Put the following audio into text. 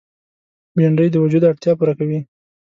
بېنډۍ د وجود اړتیا پوره کوي